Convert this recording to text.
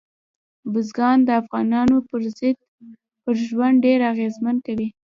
بزګان د افغانانو پر ژوند ډېر اغېزمن کوي.